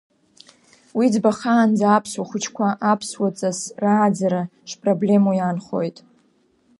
Уи ӡбахаанӡа аԥсуа хәыҷқәа аԥсуаҵас рааӡара шпроблемоу иаанхоит.